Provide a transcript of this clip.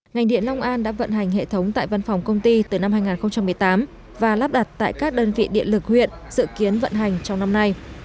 ngành điện long an đã vận hành hệ thống tại văn phòng công ty từ năm hai nghìn một mươi tám và lắp đặt tại các đơn vị điện lực huyện dự kiến vận hành trong năm nay